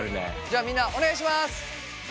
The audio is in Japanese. じゃあみんなお願いします！